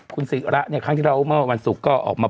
คุณศริระเนี่ยครั้งที่เรามาวันศุกร์ก็ออกมา